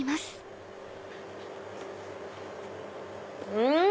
うん！